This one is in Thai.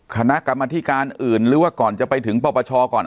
คณะกรรมธิการอื่นหรือว่าก่อนจะไปถึงปปชก่อน